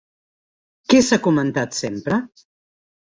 Què s'ha comentat sempre?